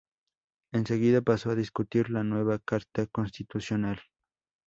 Enseguida, pasó a discutir la nueva carta constitucional.